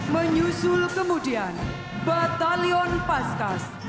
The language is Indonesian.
menyusul kemudian batalion paskas